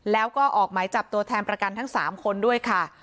แล้วก็ออกหมายจับตัวแทนประกันทั้ง๓คนด้วยค่ะ